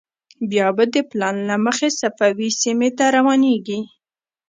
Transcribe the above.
بیا به د پلان له مخې صفوي سیمې ته روانېږو.